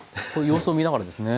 様子を見ながらですね。